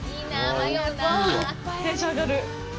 わあ、テンション上がる。